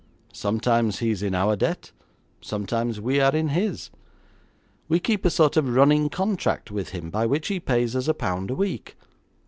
Sometimes he is in our debt; sometimes we are in his. We keep a sort of running contract with him by which he pays us a pound a week.